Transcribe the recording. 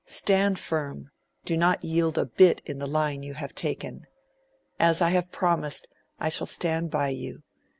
Stand firm, do not yield a bit in the line you have taken. As I have promised, I shall stand by you.